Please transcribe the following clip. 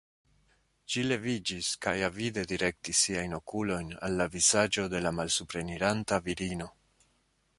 Ŝi leviĝis kaj avide direktis siajn okulojn al la vizaĝo de la malsupreniranta virino.